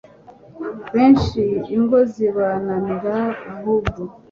benshi ingo zibananira ahubwo